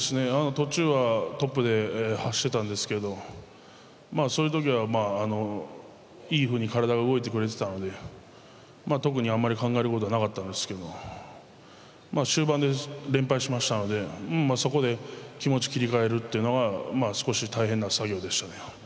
途中はトップで走ってたんですけどそういう時はまあいいふうに体が動いてくれてたので特にあんまり考えることはなかったんですけど終盤で連敗しましたのでそこで気持ち切り替えるっていうのが少し大変な作業でしたね。